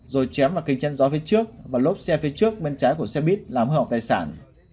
rồi chém vào kinh chân gió phía trước và lốp xe phía trước bên trái của xe buýt làm hợp tài sản